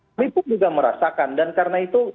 kami pun juga merasakan dan karena itu